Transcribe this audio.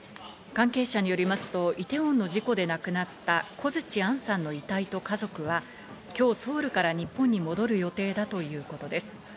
関係者によりますとイテウォンの事故で亡くなった小槌杏さんの遺体と家族は今日、ソウルから日本に戻る予定だということです。